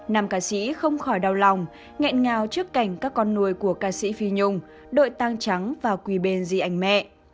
nam ca sĩ không khỏi đau lòng nghẹn ngào trước cảnh các con nuôi của ca sĩ phi nhung đội tang trắng và quỳ bên di ảnh mẹ